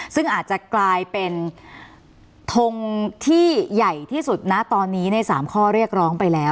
ซึ่งอาจจะกลายเป็นทงที่ใหญ่ที่สุดนะตอนนี้ใน๓ข้อเรียกร้องไปแล้ว